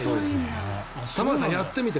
玉川さん、やってみて。